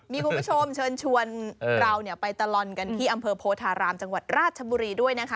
มีคุณผู้ชมเชิญชวนเราไปตลอดกันที่อำเภอโพธารามจังหวัดราชบุรีด้วยนะคะ